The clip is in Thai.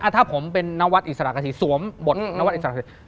ถ้าผมเป็นนวัดอิสระกฐีสวมบทนวัดอิสระสิ